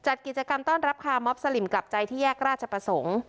จัดกิจกรรมต้อนรับคามอบสลิมกลับใจที่แยกราชประสงค์